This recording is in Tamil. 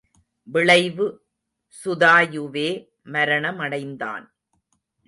விளைவு சுதாயுவே மரணமடைந்தான்.